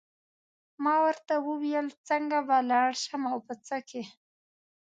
ما ورته وویل څنګه به لاړ شم او په څه کې.